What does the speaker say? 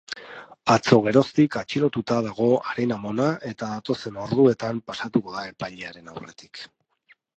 Atzo geroztik atxilotuta dago haren amona eta datozen orduetan pasatuko da epailearen aurretik.